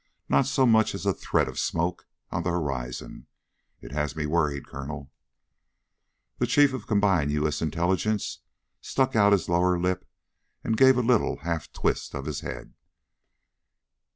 Not so much as a thread of smoke on the horizon. It has me worried, Colonel." The Chief of Combined U. S. Intelligence stuck out his lower lip and gave a little half twist of his head.